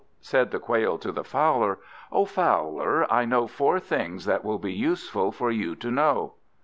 Said the Quail to the Fowler "O Fowler, I know four things that will be useful for you to know."